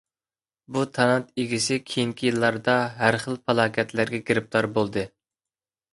بۇ تالانت ئىگىسى كېيىنكى يىللاردا ھەر خىل پالاكەتلەرگە گىرىپتار بولدى.